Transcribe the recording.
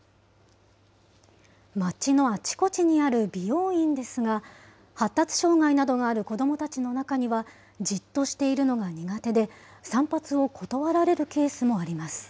街のあちこちにある美容院ですが、発達障害などがある子どもたちの中には、じっとしているのが苦手で、散髪を断られるケースもあります。